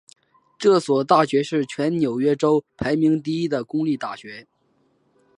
这所大学是全纽约州排名第一的公立大学。